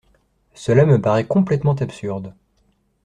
Cela me paraît complètement absurde.